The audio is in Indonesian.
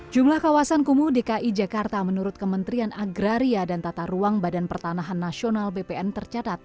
jumlah kawasan kumuh dki jakarta menurut kementerian agraria dan tata ruang badan pertanahan nasional bpn tercatat